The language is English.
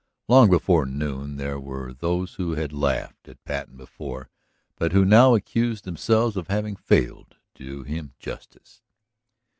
Long before noon there were those who had laughed at Patten before, but who now accused themselves of having failed to do him justice.